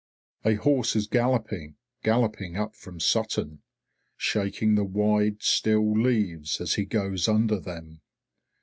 A horse is galloping, galloping up from Sutton. Shaking the wide, still leaves as he goes under them.